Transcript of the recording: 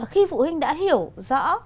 khi phụ huynh đã hiểu rõ